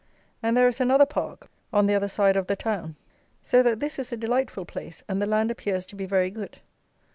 And there is another park, on the other side of the town. So that this is a delightful place, and the land appears to be very good.